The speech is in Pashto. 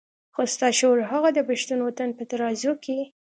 خو ستا شعور هغه د پښتون وطن په ترازو کې.